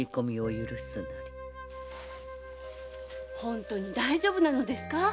本当に大丈夫なのですか？